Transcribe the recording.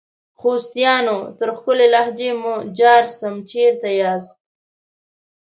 خوستیانو ! تر ښکلي لهجې مو جار سم ، چیري یاست؟